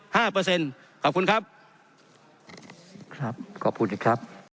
เปอร์เซ็นต์ขอบคุณครับครับขอบคุณนะครับ